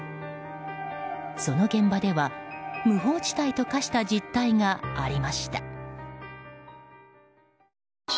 その現場では、無法地帯と化した実態がありました。